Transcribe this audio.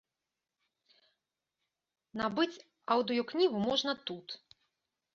Набыць аўдыёкнігу можна тут.